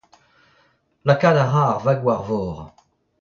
Lakaat a ra ar vag war vor.